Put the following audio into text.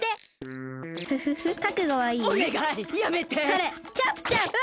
それチャップチャップ！